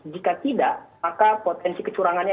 jika tidak maka potensi kecurangannya